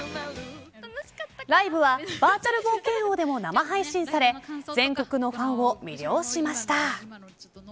ライブはバーチャル冒険王でも生配信され全国のファンを魅了しました。